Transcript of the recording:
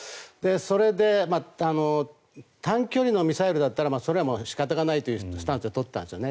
それで短距離のミサイルだったら仕方ないというスタンスを取っていたんですね。